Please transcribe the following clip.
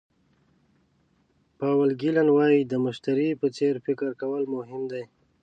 پاول ګیلن وایي د مشتري په څېر فکر کول مهم دي.